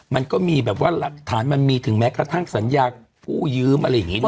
มันก็มีแบบว่าหลักฐานมันมีถึงแม้กระทั่งสัญญากู้ยืมอะไรอย่างนี้ด้วย